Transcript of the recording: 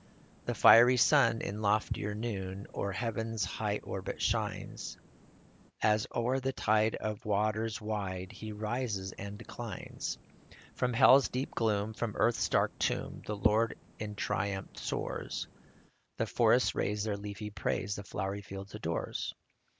The fiery sun in loftier noon O'er heaven's high orbit shines, As o'er the tide of waters wide He rises and declines. 57 From hell's deep gloom, from earth's dark tomb, The Lord in triumph soars ; The forests raise their leafy praise ; The flowery field adores.